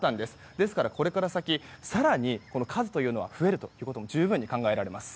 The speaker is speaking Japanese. ですからこれから先、更にこの数は増えるということも十分考えられます。